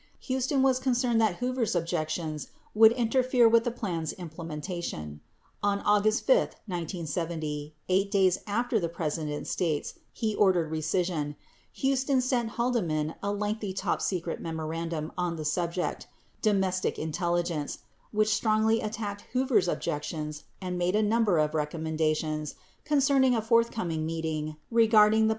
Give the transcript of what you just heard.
28 Huston was concerned that Hoover's objections would interfere with the plan's implementation. On August 5, 1970, 8 days after the Presi dent states he ordered recision, Huston sent Haldeman a lengthy top secret memorandum on the subject, "Domestic Intelligence," which strongly attacked Hoover's objections and made a number of recom mendations concerning a forthcoming meeting regarding the plan 20 Exhibit 35.